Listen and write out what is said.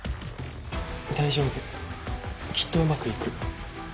大丈夫きっとうまく行く。